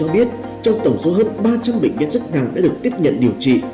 ba trăm linh bệnh nhân chất nắng đã được tiếp nhận điều trị